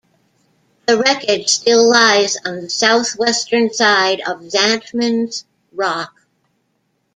The wreckage still lies on the southwestern side of Zantman's Rock.